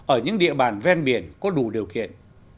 ở những địa bàn ven biển có đủ điều kiện